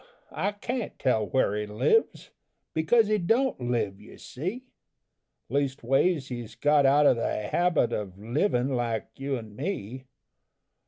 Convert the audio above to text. I can't tell where he lives, Because he don't live, you see: Leastways, he's got out of the habit Of livin' like you and me.